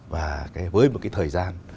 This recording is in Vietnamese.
và với một thời gian